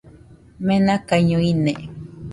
Menakaiño ine